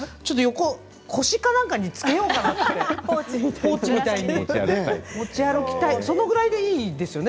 腰かなんかに着けようかなってポーチみたいに持ち歩きたいそのぐらいでいいですよね